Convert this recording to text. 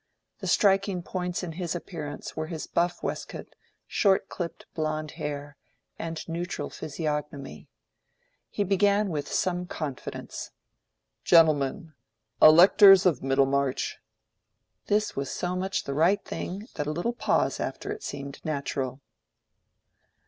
The striking points in his appearance were his buff waistcoat, short clipped blond hair, and neutral physiognomy. He began with some confidence. "Gentlemen—Electors of Middlemarch!" This was so much the right thing that a little pause after it seemed natural.